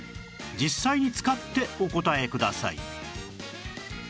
実際に使ってお答えください